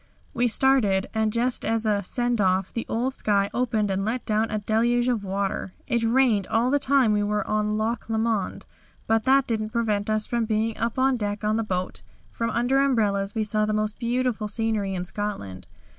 "We started, and just as a 'send off' the old sky opened and let down a deluge of water. It rained all the time we were on Loch Lomond, but that didn't prevent us from being up on deck on the boat. From under umbrellas we saw the most beautiful scenery in Scotland.